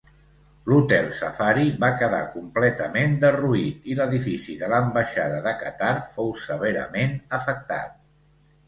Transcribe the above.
L'Hotel Safari va quedar completament derruït i l'edifici de l'ambaixada de Qatar fou severament afectat.